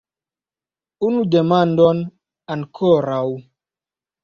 Unu demandon ankoraŭ.